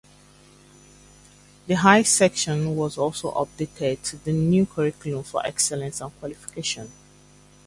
The Higher section was also updated to the new Curriculum for Excellence qualification.